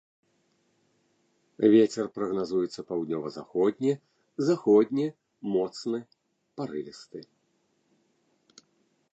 Вецер прагназуецца паўднёва-заходні, заходні моцны парывісты.